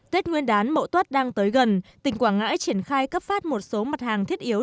tết nguyên đán mậu tuất đang tới gần tỉnh quảng ngãi triển khai cấp phát một số mặt hàng thiết yếu